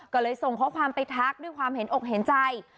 ก็เลยส่งข้อความไปทักด้วยความเห็นอกเห็นใจ